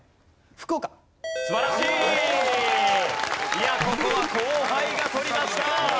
いやここは後輩が取りました。